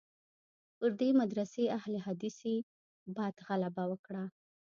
پر دې مدرسې اهل حدیثي بعد غلبه وکړه.